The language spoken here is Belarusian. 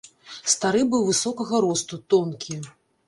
Стары быў высокага росту, тонкі.